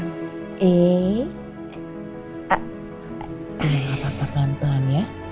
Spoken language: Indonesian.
gimana pelan pelan ya